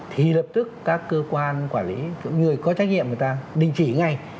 thì lập tức các cơ quan quản lý người có trách nhiệm người ta đình chỉ ngay